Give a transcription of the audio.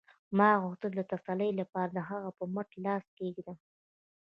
ما غوښتل د تسلۍ لپاره د هغې په مټ لاس کېږدم